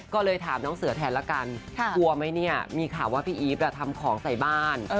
ก็เลยถามน้องเสือแทนละกันกลัวไหมเนี่ยมีข่าวว่าพี่อีฟทำของใส่บ้าน